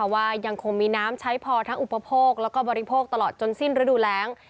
ว่ายังคงมีน้ำใช้พอทั้งอุปโภคแล้วก็บริโภคตลอดจนสิ้นฤดูแรง